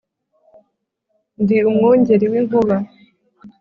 ndi umwungeri w’inkuba